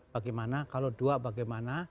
bagaimana kalau dua bagaimana